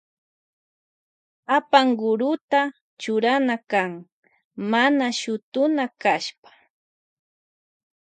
Apankuruta churana kan mana shutuna kashpa.